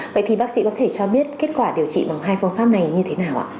vậy thì bác sĩ có thể cho biết kết quả điều trị bằng hai phương pháp này như thế nào ạ